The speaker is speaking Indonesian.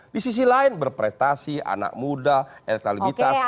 di sisi lain berprestasi anak muda elektabilitas